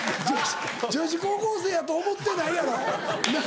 女子高校生やと思ってないやろなぁ。